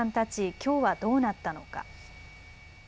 きょうはどうなったのか。